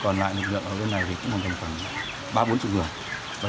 còn lại lực lượng ở bên này thì khoảng ba bốn chục người